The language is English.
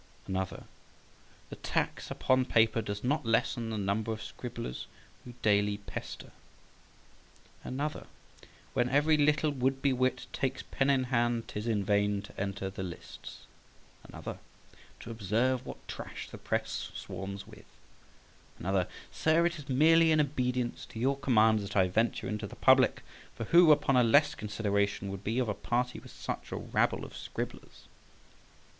Another: "The tax upon paper does not lessen the number of scribblers who daily pester," &c. Another: "When every little would be wit takes pen in hand, 'tis in vain to enter the lists," &c. Another: "To observe what trash the press swarms with," &c. Another: "Sir, it is merely in obedience to your commands that I venture into the public, for who upon a less consideration would be of a party with such a rabble of scribblers," &c.